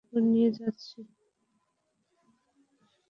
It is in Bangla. কারণ আমরা কাফনের কাপড় নিয়ে যাচ্ছি।